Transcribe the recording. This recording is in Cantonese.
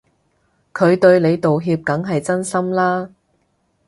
佢對你道歉梗係真心啦